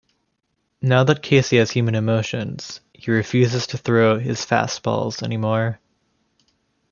Now that Casey has human emotions, he refuses to throw his fast balls anymore.